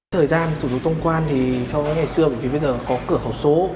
thời gian sử dụng thông quan thì so với ngày xưa bởi vì bây giờ có cửa khẩu số